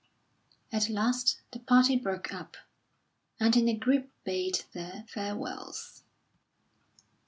At last the party broke up, and in a group bade their farewells.